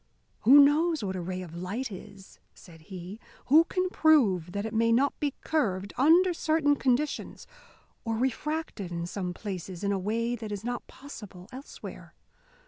"Who knows what a ray of light is?" said he. "Who can prove that it may not be curved, under certain conditions, or refracted in some places in a way that is not possible elsewhere?